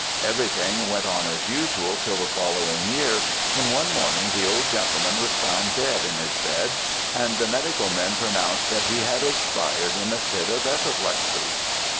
"Everything went on as usual till the following year, when one morning the old gentleman was found dead in his bed, and the medical men pronounced that he had expired in a fit of apoplexy.